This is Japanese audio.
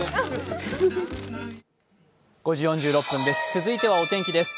続いてはお天気です。